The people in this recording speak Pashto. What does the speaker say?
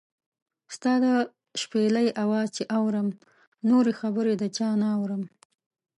ستا د شپېلۍ اواز چې اورم، نورې خبرې د چا نۀ اورم